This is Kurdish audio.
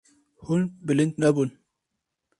Hûn bilind nebûn.